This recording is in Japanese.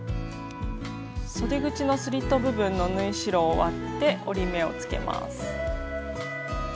そで口のスリット部分の縫い代を割って折り目をつけます。